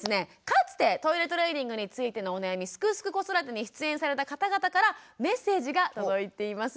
かつてトイレトレーニングについてのお悩み「すくすく子育て」に出演された方々からメッセージが届いています。